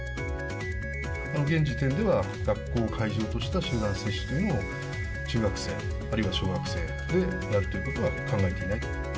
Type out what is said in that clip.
この現時点では、学校を会場とした集団接種というのを中学生、あるいは小学生でやるということは考えていない。